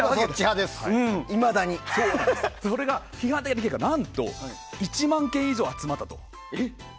それが、批判の意見が何と１万件以上集まったと。